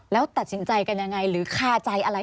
แล้วตัดสินใจกันยังไงหรือคาใจอะไร